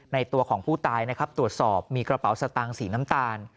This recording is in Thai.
ตัวของผู้ตายนะครับตรวจสอบมีกระเป๋าสตางค์สีน้ำตาล